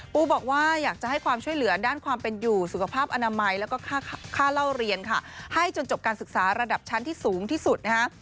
ปูบอกว่าอยากจะให้ความช่วยเหลือด้านความเป็นอยู่สุขภาพอนามัยแล้วก็ค่าเล่าเรียนค่ะให้จนจบการศึกษาระดับชั้นที่สูงที่สุดนะคะ